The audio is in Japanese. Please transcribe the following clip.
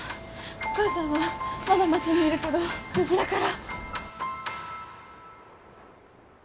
お母さんはまだ町にいるけど無事だから。